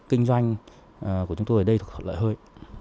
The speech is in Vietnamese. kinh doanh của chúng tôi ở đây thuộc lợi hơi